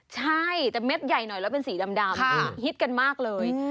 ใช่แต่เม็ดใหญ่หน่อยแล้วเป็นสีดำฮิตกันมากเลย